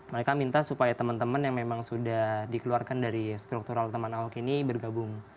mereka minta supaya teman teman yang memang sudah dikeluarkan dari struktural teman ahok ini bergabung